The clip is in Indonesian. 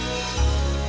kau mau paham